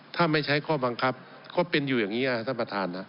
ถ้าไม่ใช้ข้อบังคับก็เป็นอยู่อย่างนี้ท่านประธาน